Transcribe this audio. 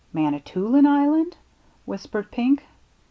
" Manitoulin Island ?" whispered Pink.